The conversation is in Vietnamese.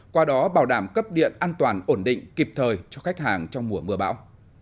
qua đó bảo đảm cấp điện an toàn ổn định kịp thời cho khách hàng trong mùa mưa bão